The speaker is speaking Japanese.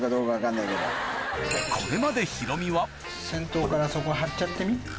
これまでヒロミは先頭からそこ貼っちゃってみ。